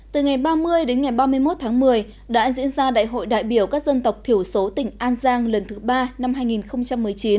từ ngày ba mươi đến ngày ba mươi một tháng một mươi đã diễn ra đại hội đại biểu các dân tộc thiểu số tỉnh an giang lần thứ ba năm hai nghìn một mươi chín